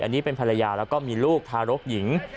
อันนี้เป็นภรรยาแล้วก็มีลูกทารกหญิง